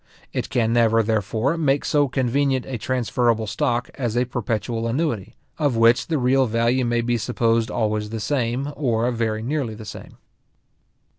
It can never, therefore, make so convenient a transferable stock as a perpetual annuity, of which the real value may be supposed always the same, or very nearly the same.